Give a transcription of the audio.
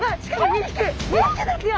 ２匹ですよ！